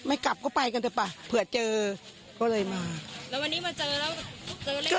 กลับก็ไปกันเถอะป่ะเผื่อเจอก็เลยมาแล้ววันนี้มาเจอแล้วเจอเลข